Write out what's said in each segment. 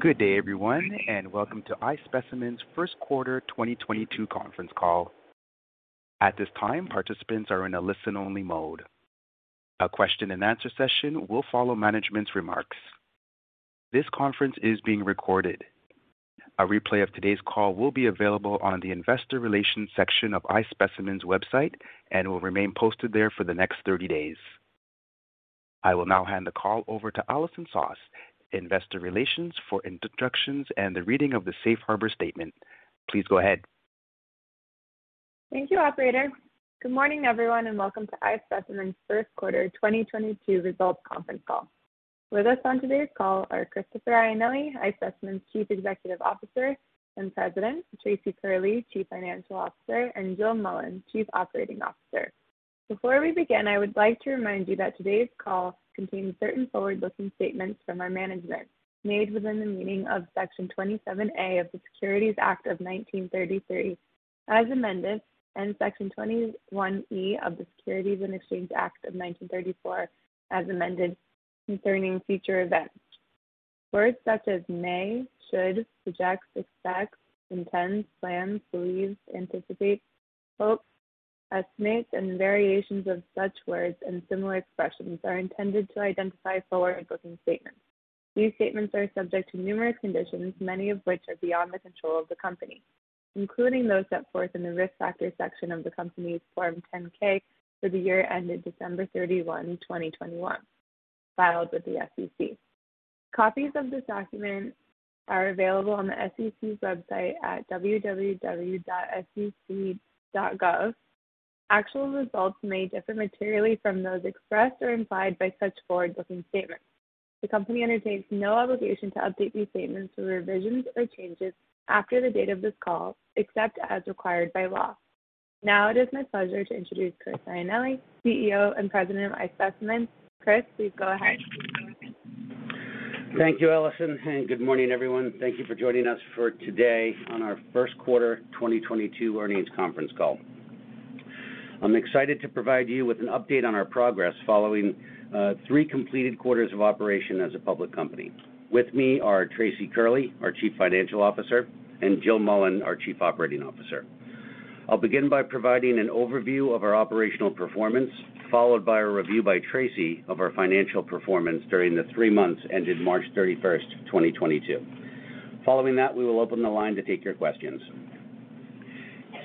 Good day, everyone, and welcome to iSpecimen's first quarter 2022 conference call. At this time, participants are in a listen-only mode. A question and answer session will follow management's remarks. This conference is being recorded. A replay of today's call will be available on the investor relations section of iSpecimen's website and will remain posted there for the next 30 days. I will now hand the call over to Allison Soss, Investor Relations for introductions and the reading of the Safe Harbor statement. Please go ahead. Thank you, operator. Good morning, everyone, and welcome to iSpecimen's first quarter 2022 results conference call. With us on today's call are Christopher Ianelli, iSpecimen's Chief Executive Officer and President, Tracy Curley, Chief Financial Officer, and Jill Mullan, Chief Operating Officer. Before we begin, I would like to remind you that today's call contains certain forward-looking statements from our management made within the meaning of Section 27A of the Securities Act of 1933, as amended, and Section 21E of the Securities Exchange Act of 1934, as amended, concerning future events. Words such as may, should, projects, expects, intends, plans, believes, anticipates, hopes, estimates, and variations of such words and similar expressions are intended to identify forward-looking statements. These statements are subject to numerous conditions, many of which are beyond the control of the company, including those set forth in the Risk Factors section of the company's Form 10-K for the year ended December 31, 2021, filed with the SEC. Copies of this document are available on the SEC's website at www.sec.gov. Actual results may differ materially from those expressed or implied by such forward-looking statements. The company undertakes no obligation to update these statements to revisions or changes after the date of this call, except as required by law. Now it is my pleasure to introduce Chris Ianelli, CEO and President of iSpecimen. Chris, please go ahead. Thank you, Allison, and good morning, everyone. Thank you for joining us for today on our first quarter 2022 earnings conference call. I'm excited to provide you with an update on our progress following three completed quarters of operation as a public company. With me are Tracy Curley, our Chief Financial Officer, and Jill Mullan, our Chief Operating Officer. I'll begin by providing an overview of our operational performance, followed by a review by Tracy of our financial performance during the three months ended March 31st, 2022. Following that, we will open the line to take your questions.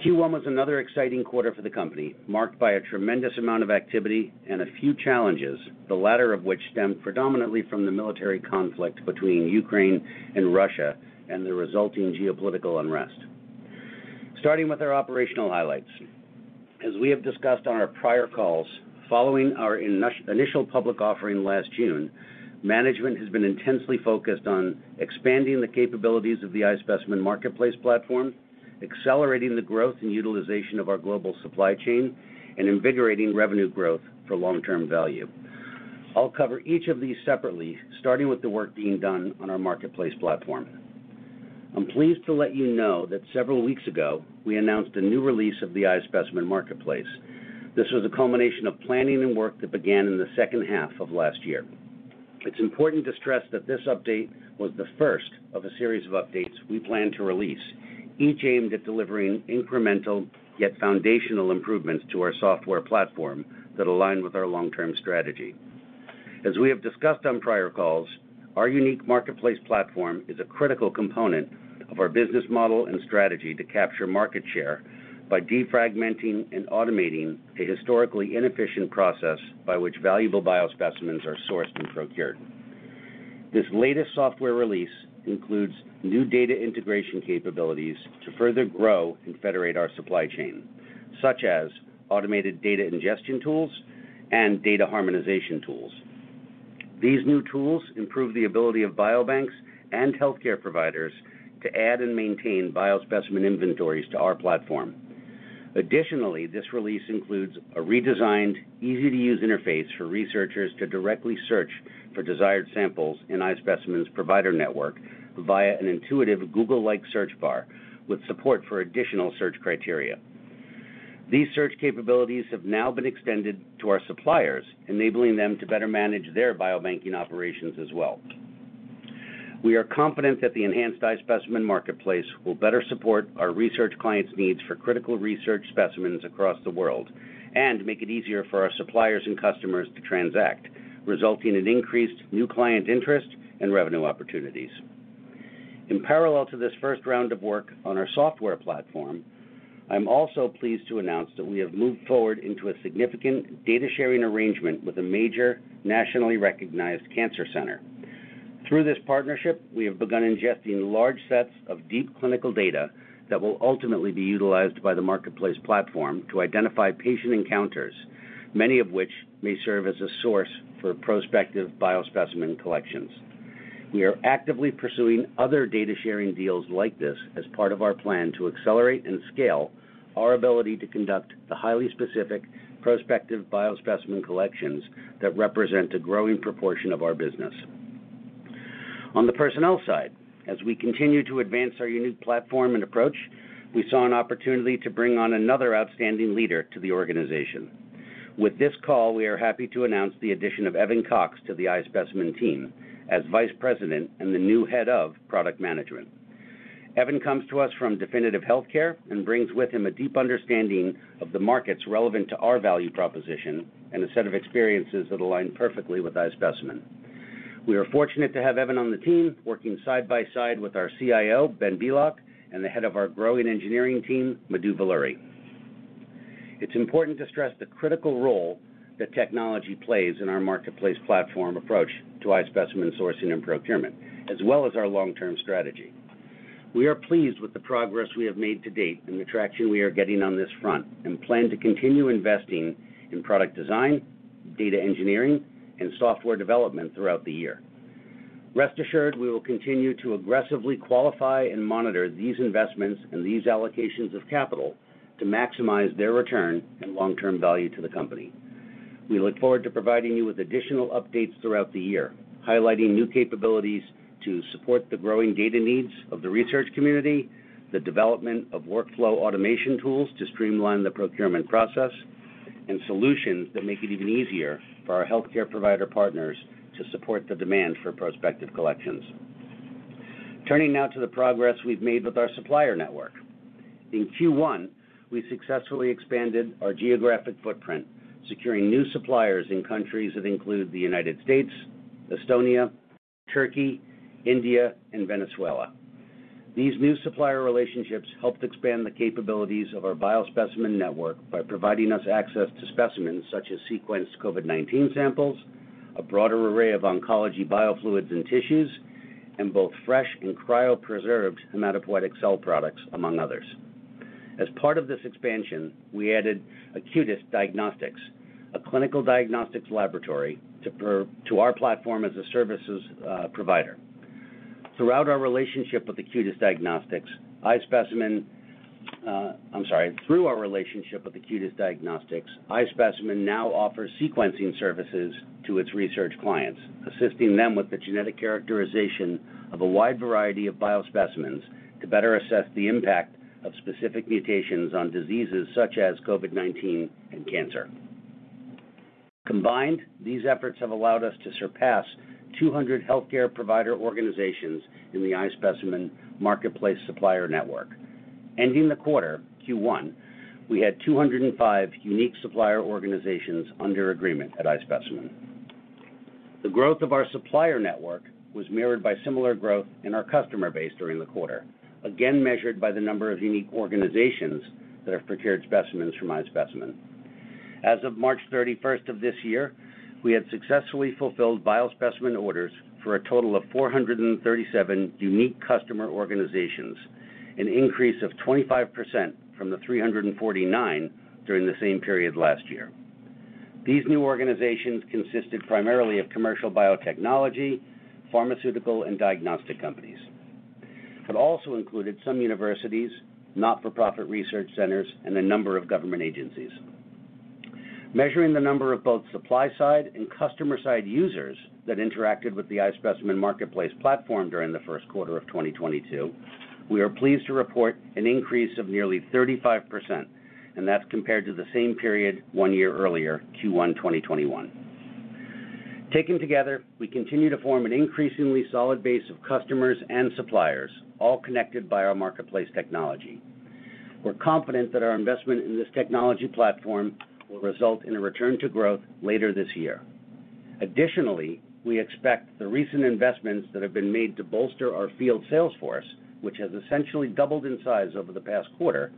Q1 was another exciting quarter for the company, marked by a tremendous amount of activity and a few challenges, the latter of which stemmed predominantly from the military conflict between Ukraine and Russia and the resulting geopolitical unrest. Starting with our operational highlights. As we have discussed on our prior calls, following our initial public offering last June, management has been intensely focused on expanding the capabilities of the iSpecimen Marketplace platform, accelerating the growth and utilization of our global supply chain, and invigorating revenue growth for long-term value. I'll cover each of these separately, starting with the work being done on our marketplace platform. I'm pleased to let you know that several weeks ago, we announced a new release of the iSpecimen Marketplace. This was a culmination of planning and work that began in the second half of last year. It's important to stress that this update was the first of a series of updates we plan to release, each aimed at delivering incremental yet foundational improvements to our software platform that align with our long-term strategy. As we have discussed on prior calls, our unique marketplace platform is a critical component of our business model and strategy to capture market share by defragmenting and automating a historically inefficient process by which valuable biospecimens are sourced and procured. This latest software release includes new data integration capabilities to further grow and federate our supply chain, such as automated data ingestion tools and data harmonization tools. These new tools improve the ability of biobanks and healthcare providers to add and maintain biospecimen inventories to our platform. Additionally, this release includes a redesigned, easy-to-use interface for researchers to directly search for desired samples in iSpecimen's provider network via an intuitive Google-like search bar with support for additional search criteria. These search capabilities have now been extended to our suppliers, enabling them to better manage their biobanking operations as well. We are confident that the enhanced iSpecimen Marketplace will better support our research clients' needs for critical research specimens across the world and make it easier for our suppliers and customers to transact, resulting in increased new client interest and revenue opportunities. In parallel to this first round of work on our software platform, I'm also pleased to announce that we have moved forward into a significant data-sharing arrangement with a major nationally recognized cancer center. Through this partnership, we have begun ingesting large sets of deep clinical data that will ultimately be utilized by the Marketplace platform to identify patient encounters, many of which may serve as a source for prospective biospecimen collections. We are actively pursuing other data-sharing deals like this as part of our plan to accelerate and scale our ability to conduct the highly specific prospective biospecimen collections that represent a growing proportion of our business. On the personnel side, as we continue to advance our unique platform and approach, we saw an opportunity to bring on another outstanding leader to the organization. With this call, we are happy to announce the addition of Evan Cox to the iSpecimen team as Vice President and the new Head of Product Management. Evan comes to us from Definitive Healthcare and brings with him a deep understanding of the markets relevant to our value proposition and a set of experiences that align perfectly with iSpecimen. We are fortunate to have Evan on the team working side by side with our CIO, Benjamin Bielak, and the head of our growing engineering team, Madhu Valluri. It's important to stress the critical role that technology plays in our marketplace platform approach to iSpecimen sourcing and procurement, as well as our long-term strategy. We are pleased with the progress we have made to date and the traction we are getting on this front and plan to continue investing in product design, data engineering, and software development throughout the year. Rest assured, we will continue to aggressively qualify and monitor these investments and these allocations of capital to maximize their return and long-term value to the company. We look forward to providing you with additional updates throughout the year, highlighting new capabilities to support the growing data needs of the research community, the development of workflow automation tools to streamline the procurement process, and solutions that make it even easier for our healthcare provider partners to support the demand for prospective collections. Turning now to the progress we've made with our supplier network. In Q1, we successfully expanded our geographic footprint, securing new suppliers in countries that include the United States, Estonia, Turkey, India, and Venezuela. These new supplier relationships helped expand the capabilities of our biospecimen network by providing us access to specimens such as sequenced COVID-19 samples, a broader array of oncology biofluids and tissues, and both fresh and cryopreserved hematopoietic cell products, among others. As part of this expansion, we added Acutis Diagnostics, a clinical diagnostics laboratory, to our platform as a service provider. Through our relationship with Acutis Diagnostics, iSpecimen now offers sequencing services to its research clients, assisting them with the genetic characterization of a wide variety of biospecimens to better assess the impact of specific mutations on diseases such as COVID-19 and cancer. Combined, these efforts have allowed us to surpass 200 healthcare provider organizations in the iSpecimen Marketplace supplier network. Ending the quarter, Q1, we had 205 unique supplier organizations under agreement at iSpecimen. The growth of our supplier network was mirrored by similar growth in our customer base during the quarter, again measured by the number of unique organizations that have procured specimens from iSpecimen. As of March 31st of this year, we had successfully fulfilled biospecimen orders for a total of 437 unique customer organizations, an increase of 25% from the 349 during the same period last year. These new organizations consisted primarily of commercial biotechnology, pharmaceutical, and diagnostic companies. It also included some universities, not-for-profit research centers, and a number of government agencies. Measuring the number of both supply-side and customer-side users that interacted with the iSpecimen Marketplace platform during the first quarter of 2022, we are pleased to report an increase of nearly 35%, and that's compared to the same period one year earlier, Q1 2021. Taken together, we continue to form an increasingly solid base of customers and suppliers, all connected by our marketplace technology. We're confident that our investment in this technology platform will result in a return to growth later this year. Additionally, we expect the recent investments that have been made to bolster our field sales force, which has essentially doubled in size over the past quarter,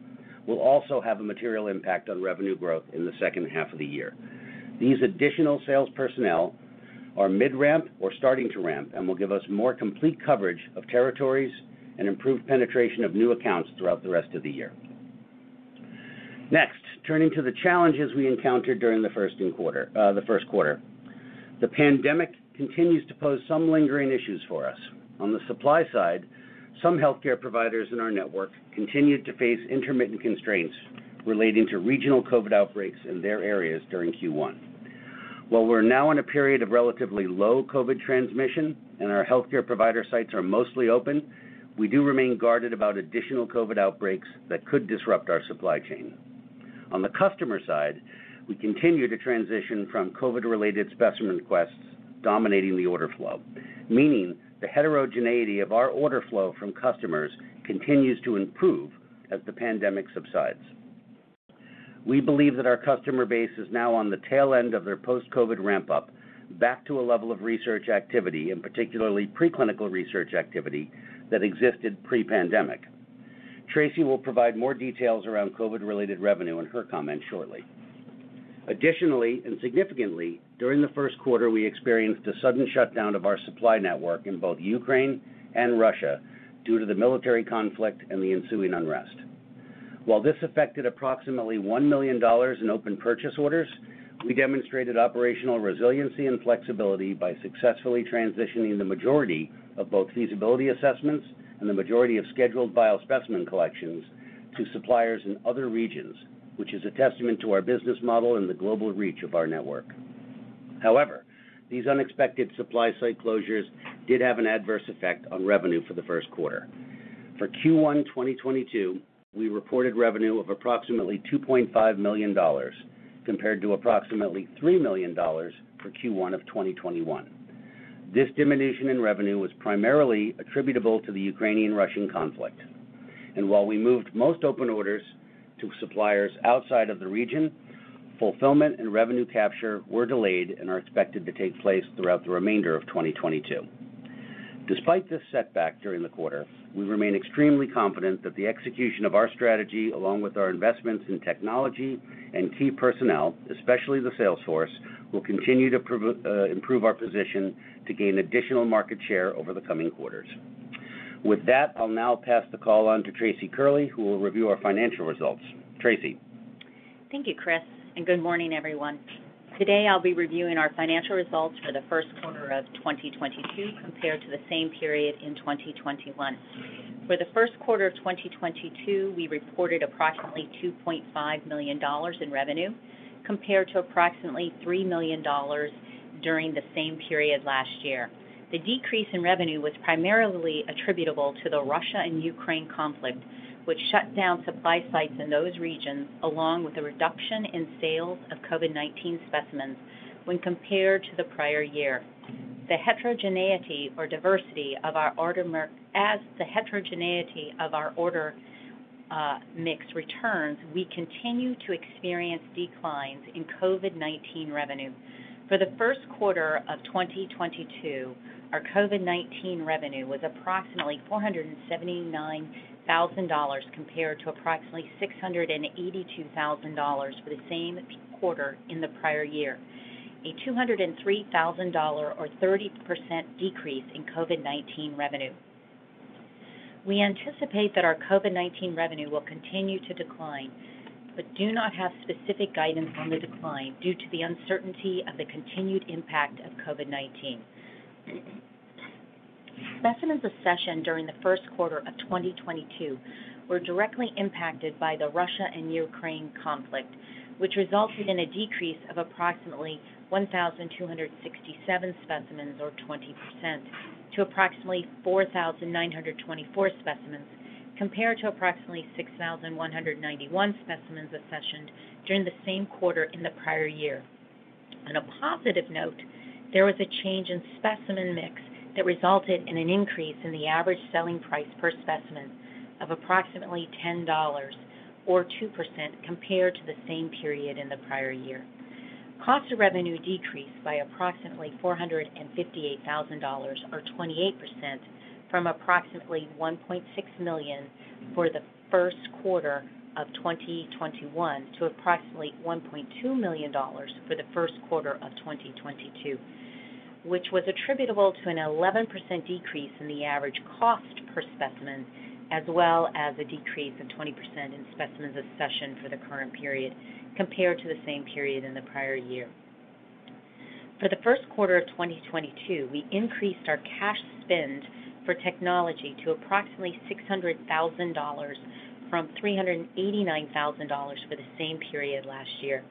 will also have a material impact on revenue growth in the second half of the year. These additional sales personnel are mid-ramp or starting to ramp and will give us more complete coverage of territories and improved penetration of new accounts throughout the rest of the year. Next, turning to the challenges we encountered during the first quarter. The pandemic continues to pose some lingering issues for us. On the supply side, some healthcare providers in our network continued to face intermittent constraints relating to regional COVID outbreaks in their areas during Q1. While we're now in a period of relatively low COVID transmission and our healthcare provider sites are mostly open, we do remain guarded about additional COVID outbreaks that could disrupt our supply chain. On the customer side, we continue to transition from COVID-related specimen requests dominating the order flow, meaning the heterogeneity of our order flow from customers continues to improve as the pandemic subsides. We believe that our customer base is now on the tail end of their post-COVID ramp-up back to a level of research activity, and particularly preclinical research activity, that existed pre-pandemic. Tracy will provide more details around COVID-related revenue in her comments shortly. Additionally, and significantly, during the first quarter, we experienced a sudden shutdown of our supply network in both Ukraine and Russia due to the military conflict and the ensuing unrest. While this affected approximately $1 million in open purchase orders, we demonstrated operational resiliency and flexibility by successfully transitioning the majority of both feasibility assessments and the majority of scheduled biospecimen collections to suppliers in other regions, which is a testament to our business model and the global reach of our network. However, these unexpected supply site closures did have an adverse effect on revenue for the first quarter. For Q1 2022, we reported revenue of approximately $2.5 million, compared to approximately $3 million for Q1 of 2021. This diminution in revenue was primarily attributable to the Ukrainian-Russian conflict. While we moved most open orders to suppliers outside of the region, fulfillment and revenue capture were delayed and are expected to take place throughout the remainder of 2022. Despite this setback during the quarter, we remain extremely confident that the execution of our strategy, along with our investments in technology and key personnel, especially the sales force, will continue to improve our position to gain additional market share over the coming quarters. With that, I'll now pass the call on to Tracy Curley, who will review our financial results. Tracy. Thank you, Chris, and good morning, everyone. Today, I'll be reviewing our financial results for the first quarter of 2022 compared to the same period in 2021. For the first quarter of 2022, we reported approximately $2.5 million in revenue, compared to approximately $3 million during the same period last year. The decrease in revenue was primarily attributable to the Russia and Ukraine conflict, which shut down supply sites in those regions, along with a reduction in sales of COVID-19 specimens when compared to the prior year. As the heterogeneity or diversity of our order mix returns, we continue to experience declines in COVID-19 revenue. For the first quarter of 2022, our COVID-19 revenue was approximately $479,000, compared to approximately $682,000 for the same quarter in the prior year, a $203,000 or 30% decrease in COVID-19 revenue. We anticipate that our COVID-19 revenue will continue to decline, but do not have specific guidance on the decline due to the uncertainty of the continued impact of COVID-19. Specimens accessioned during the first quarter of 2022 were directly impacted by the Russia and Ukraine conflict, which resulted in a decrease of approximately 1,267 specimens or 20%, to approximately 4,924 specimens, compared to approximately 6,191 specimens accessioned during the same quarter in the prior year. On a positive note, there was a change in specimen mix that resulted in an increase in the average selling price per specimen of approximately $10 or 2% compared to the same period in the prior year. Cost of revenue decreased by approximately $458,000 or 28% from approximately $1.6 million for the first quarter of 2021 to approximately $1.2 million for the first quarter of 2022, which was attributable to an 11% decrease in the average cost per specimen, as well as a decrease of 20% in specimens accessioned for the current period compared to the same period in the prior year. For the first quarter of 2022, we increased our cash spend for technology to approximately $600,000 from $389,000 for the same period last year.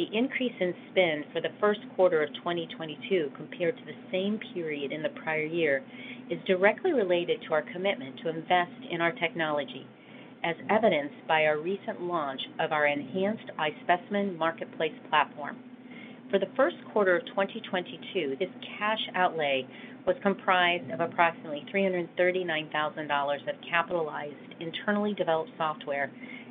The increase in spend for the first quarter of 2022 compared to the same period in the prior year is directly related to our commitment to invest in our technology, as evidenced by our recent launch of our enhanced iSpecimen Marketplace platform. For the first quarter of 2022, this cash outlay was comprised of approximately $339,000 of capitalized internally developed software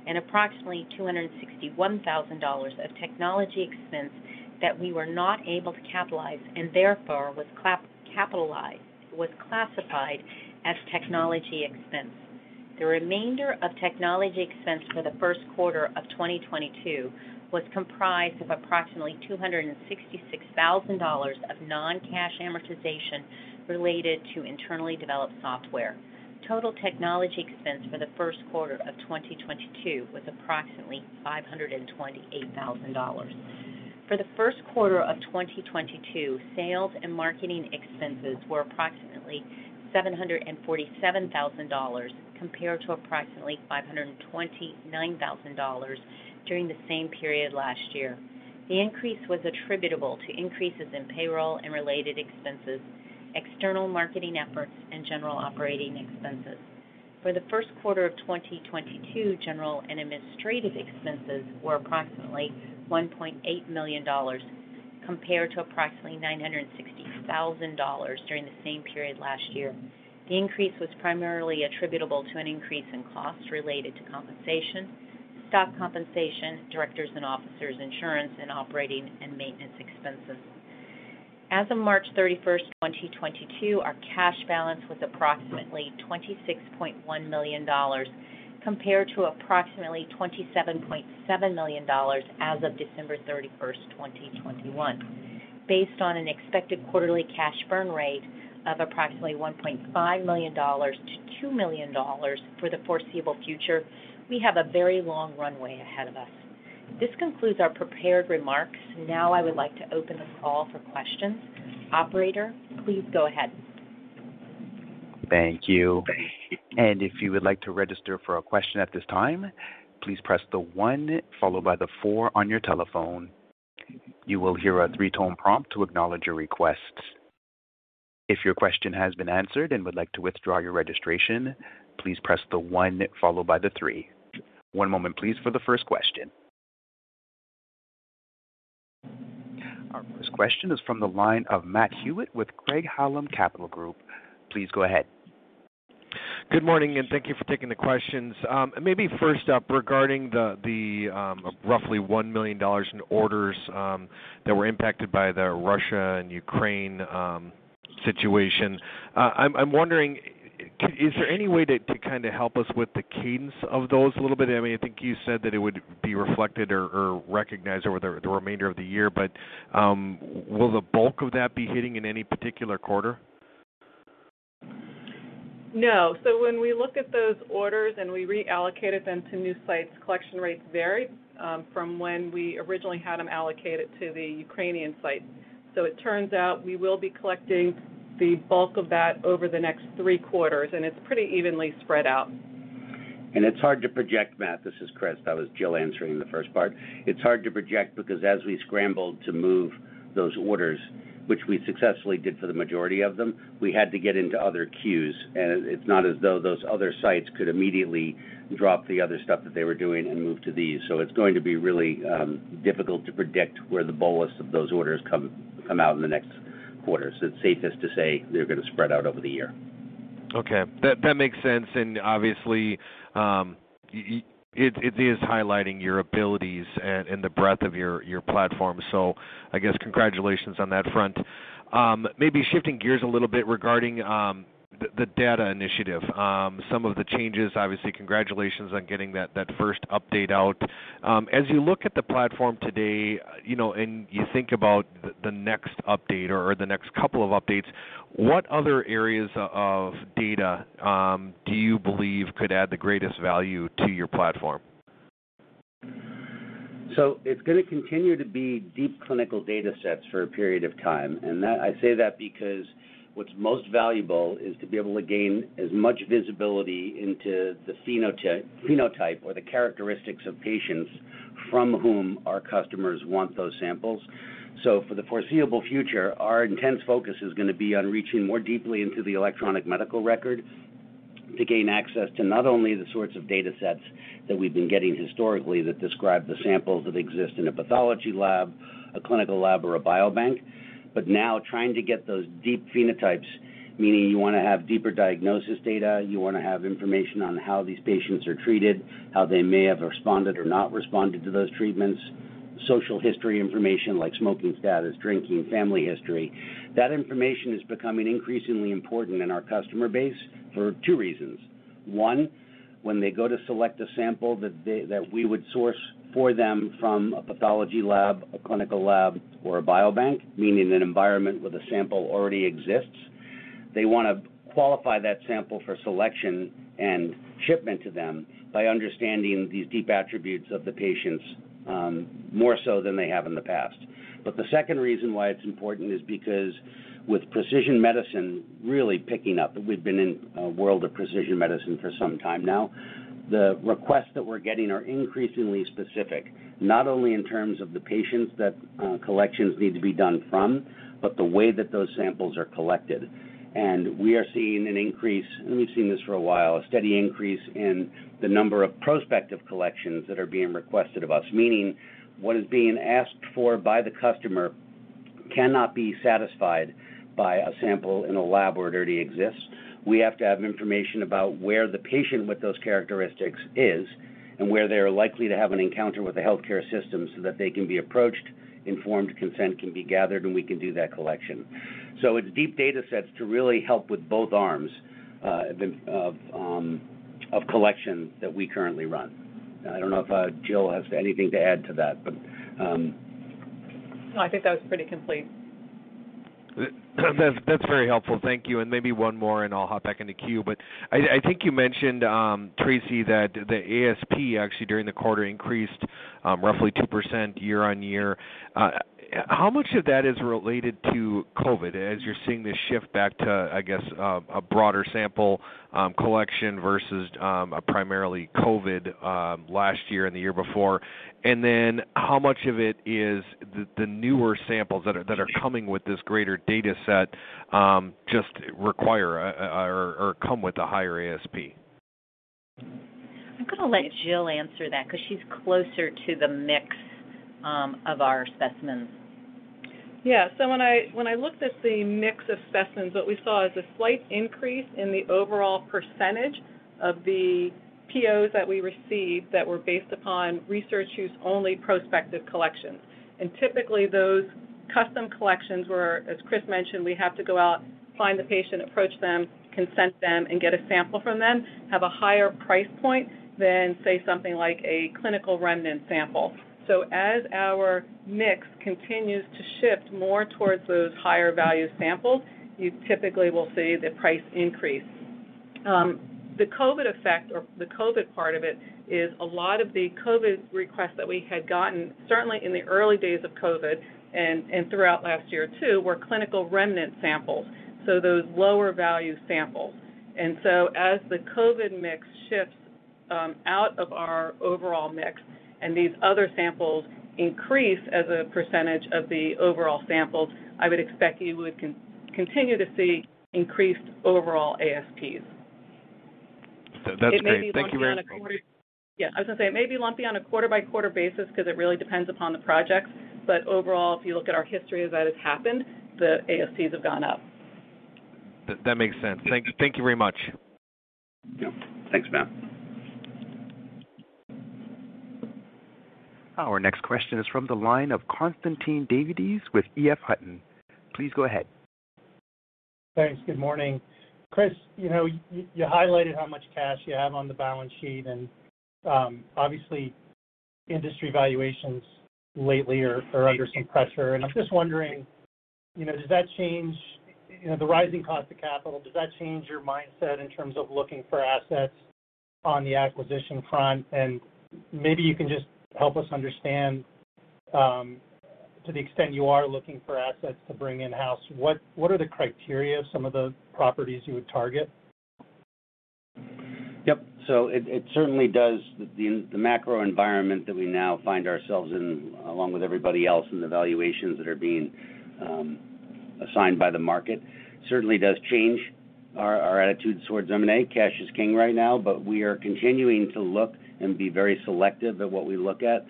and approximately $261,000 of technology expense that we were not able to capitalize, and therefore, was classified as technology expense. The remainder of technology expense for the first quarter of 2022 was comprised of approximately $266,000 of non-cash amortization related to internally developed software. Total technology expense for the first quarter of 2022 was approximately $528,000. For the first quarter of 2022, sales and marketing expenses were approximately $747,000, compared to approximately $529,000 during the same period last year. The increase was attributable to increases in payroll and related expenses, external marketing efforts, and general operating expenses. For the first quarter of 2022, general and administrative expenses were approximately $1.8 million, compared to approximately $960,000 during the same period last year. The increase was primarily attributable to an increase in costs related to compensation, stock compensation, directors and officers insurance, and operating and maintenance expenses. As of March 31st, 2022, our cash balance was approximately $26.1 million, compared to approximately $27.7 million as of December 31st, 2021. Based on an expected quarterly cash burn rate of approximately $1.5 million-$2 million for the foreseeable future, we have a very long runway ahead of us. This concludes our prepared remarks. Now I would like to open the call for questions. Operator, please go ahead. Thank you. If you would like to register for a question at this time, please press the one followed by the four on your telephone. You will hear a three-tone prompt to acknowledge your request. If your question has been answered and would like to withdraw your registration, please press the one followed by the three. One moment, please, for the first question. Our first question is from the line of Matt Hewitt with Craig-Hallum Capital Group. Please go ahead. Good morning, and thank you for taking the questions. Maybe first up, regarding the roughly $1 million in orders that were impacted by the Russia and Ukraine situation. I'm wondering, is there any way to kinda help us with the cadence of those a little bit? I mean, I think you said that it would be reflected or recognized over the remainder of the year, but will the bulk of that be hitting in any particular quarter? No. When we look at those orders and we reallocated them to new sites, collection rates varied from when we originally had them allocated to the Ukrainian site. It turns out we will be collecting the bulk of that over the next three quarters, and it's pretty evenly spread out. It's hard to project, Matt. This is Chris. That was Jill answering the first part. It's hard to project because as we scrambled to move those orders, which we successfully did for the majority of them, we had to get into other queues, and it's not as though those other sites could immediately drop the other stuff that they were doing and move to these. It's going to be really, difficult to predict where the bolus of those orders come out in the next quarter. It's safest to say they're gonna spread out over the year. Okay. That makes sense. Obviously, it is highlighting your abilities and the breadth of your platform. I guess congratulations on that front. Maybe shifting gears a little bit regarding the data initiative, some of the changes, obviously, congratulations on getting that first update out. As you look at the platform today, you know, and you think about the next update or the next couple of updates, what other areas of data do you believe could add the greatest value to your platform? It's gonna continue to be deep clinical data sets for a period of time. That I say that because what's most valuable is to be able to gain as much visibility into the phenotype or the characteristics of patients from whom our customers want those samples. For the foreseeable future, our intense focus is gonna be on reaching more deeply into the electronic medical record to gain access to not only the sorts of data sets that we've been getting historically that describe the samples that exist in a pathology lab, a clinical lab or a biobank, but now trying to get those deep phenotypes, meaning you wanna have deeper diagnosis data, you wanna have information on how these patients are treated, how they may have responded or not responded to those treatments, social history information like smoking status, drinking, family history. That information is becoming increasingly important in our customer base for two reasons. One, when they go to select a sample that we would source for them from a pathology lab, a clinical lab or a biobank, meaning an environment where the sample already exists, they wanna qualify that sample for selection and shipment to them by understanding these deep attributes of the patients, more so than they have in the past. The second reason why it's important is because with precision medicine really picking up, and we've been in a world of precision medicine for some time now, the requests that we're getting are increasingly specific, not only in terms of the patients that, collections need to be done from, but the way that those samples are collected. We are seeing an increase, and we've seen this for a while, a steady increase in the number of prospective collections that are being requested of us, meaning what is being asked for by the customer cannot be satisfied by a sample in a lab where it already exists. We have to have information about where the patient with those characteristics is and where they're likely to have an encounter with the healthcare system so that they can be approached, informed consent can be gathered, and we can do that collection. It's deep data sets to really help with both arms of collection that we currently run. I don't know if Jill has anything to add to that, but. No, I think that was pretty complete. That's very helpful. Thank you. Maybe one more, and I'll hop back in the queue. I think you mentioned, Tracy, that the ASP actually during the quarter increased roughly 2% year-on-year. How much of that is related to COVID as you're seeing this shift back to, I guess, a broader sample collection versus a primarily COVID last year and the year before? And then how much of it is the newer samples that are coming with this greater data set just require or come with a higher ASP? I'm gonna let Jill answer that 'cause she's closer to the mix of our specimens. Yeah. When I looked at the mix of specimens, what we saw is a slight increase in the overall percentage of the POs that we received that were based upon research use only prospective collections. Typically, those custom collections where, as Chris mentioned, we have to go out, find the patient, approach them, consent them and get a sample from them, have a higher price point than, say, something like a clinical remnant sample. As our mix continues to shift more towards those higher value samples, you typically will see the price increase. The COVID effect or the COVID part of it is a lot of the COVID requests that we had gotten, certainly in the early days of COVID and throughout last year too, were clinical remnant samples, so those lower value samples. As the COVID mix shifts out of our overall mix and these other samples increase as a percentage of the overall samples, I would expect you would continue to see increased overall ASPs. That's great. Thank you very much. Yeah. I was gonna say it may be lumpy on a quarter-by-quarter basis 'cause it really depends upon the projects, but overall, if you look at our history as that has happened, the ASPs have gone up. That makes sense. Thank you very much. Yep. Thanks, Matt. Our next question is from the line of Constantine Davides with E.F. Hutton. Please go ahead. Thanks. Good morning. Chris, you know, you highlighted how much cash you have on the balance sheet and, obviously industry valuations lately are under some pressure. I'm just wondering, you know, does that change, you know, the rising cost of capital, does that change your mindset in terms of looking for assets on the acquisition front? Maybe you can just help us understand, to the extent you are looking for assets to bring in-house, what are the criteria of some of the properties you would target? Yep. It certainly does. The macro environment that we now find ourselves in, along with everybody else in the valuations that are being assigned by the market, certainly does change our attitude towards M&A. Cash is king right now, but we are continuing to look and be very selective of what we look at.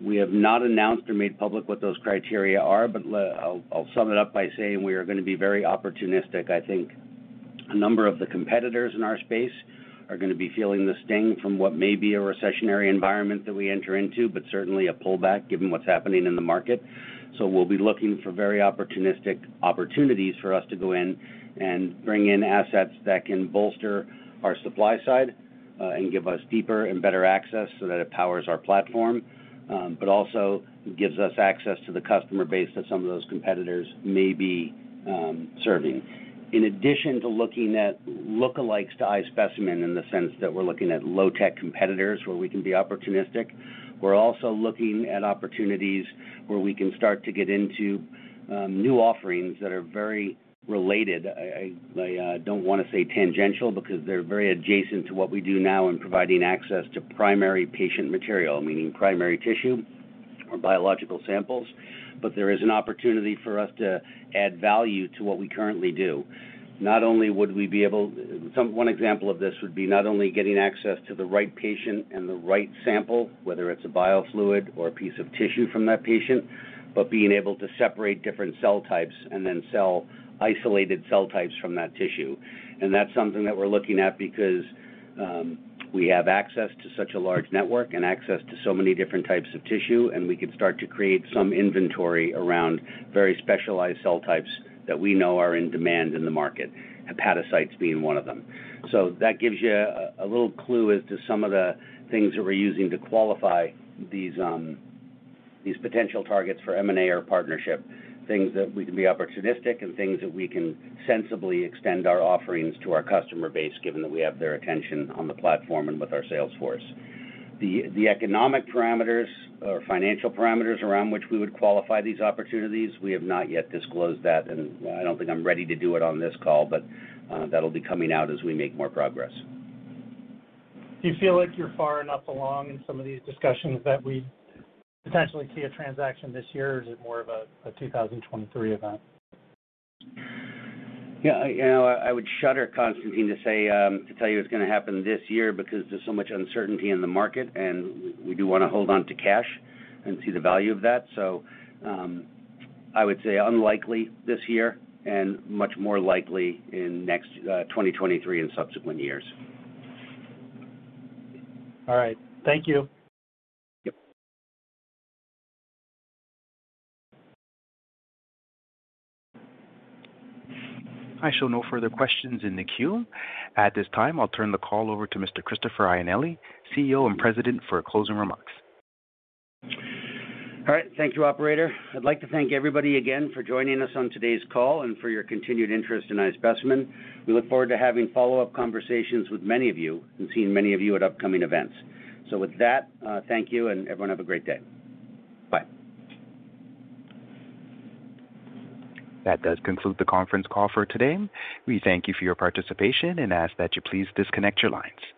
We have not announced or made public what those criteria are, but I'll sum it up by saying we are gonna be very opportunistic. I think a number of the competitors in our space are gonna be feeling the sting from what may be a recessionary environment that we enter into, but certainly a pullback given what's happening in the market. We'll be looking for very opportunistic opportunities for us to go in and bring in assets that can bolster our supply side, and give us deeper and better access so that it powers our platform, but also gives us access to the customer base that some of those competitors may be serving. In addition to looking at lookalikes to iSpecimen in the sense that we're looking at low-tech competitors where we can be opportunistic, we're also looking at opportunities where we can start to get into new offerings that are very related. I don't wanna say tangential because they're very adjacent to what we do now in providing access to primary patient material, meaning primary tissue or biological samples. There is an opportunity for us to add value to what we currently do. One example of this would be not only getting access to the right patient and the right sample, whether it's a biofluid or a piece of tissue from that patient, but being able to separate different cell types and then sell isolated cell types from that tissue. That's something that we're looking at because we have access to such a large network and access to so many different types of tissue, and we can start to create some inventory around very specialized cell types that we know are in demand in the market, hepatocytes being one of them. That gives you a little clue as to some of the things that we're using to qualify these potential targets for M&A or partnership, things that we can be opportunistic and things that we can sensibly extend our offerings to our customer base given that we have their attention on the platform and with our sales force. The economic parameters or financial parameters around which we would qualify these opportunities, we have not yet disclosed that and I don't think I'm ready to do it on this call, but that'll be coming out as we make more progress. Do you feel like you're far enough along in some of these discussions that we'd potentially see a transaction this year, or is it more of a 2023 event? Yeah, you know, I would shudder, Constantine, to say to tell you it's gonna happen this year because there's so much uncertainty in the market and we do wanna hold on to cash and see the value of that. I would say unlikely this year and much more likely in next, 2023 and subsequent years. All right. Thank you. Yep. I show no further questions in the queue. At this time, I'll turn the call over to Mr. Christopher Ianelli, CEO and President, for closing remarks. All right. Thank you, operator. I'd like to thank everybody again for joining us on today's call and for your continued interest in iSpecimen. We look forward to having follow-up conversations with many of you and seeing many of you at upcoming events. With that, thank you, and everyone have a great day. Bye. That does conclude the conference call for today. We thank you for your participation and ask that you please disconnect your lines.